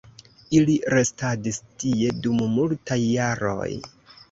Ili restadis tie dum multaj jaroj.